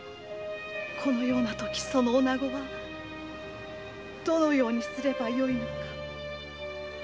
このような時その女ごはどのようにすればよいのか。